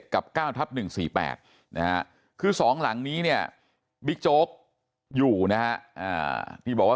๙๑๔๗กับ๙๑๔๘คือสองหลังนี้เนี่ยบิ๊กโจ๊กอยู่นะที่บอกว่า